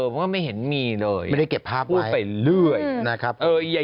เมื่อกี้คุณแม่เพิ่งบอกเองนะครับ